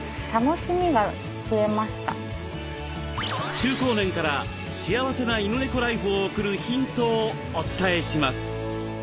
中高年から幸せな犬猫ライフを送るヒントをお伝えします。